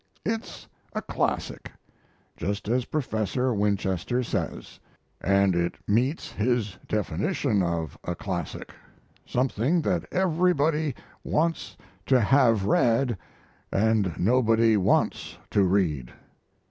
It's a classic, just as Professor Winchester says, and it meets his definition of a classic something that everybody wants to have read and nobody wants to read.